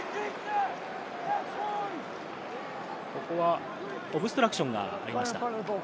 ここはオブストラクションがありました。